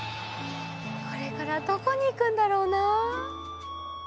これからどこにいくんだろうな。